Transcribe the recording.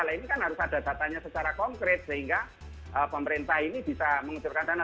nah ini kan harus ada datanya secara konkret sehingga pemerintah ini bisa mengucurkan dana